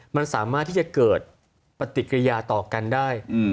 มันสามารถที่จะเกิดปฏิกิริยาต่อกันได้